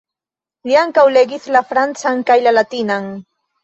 Li ankaŭ legis la francan kaj la latinan.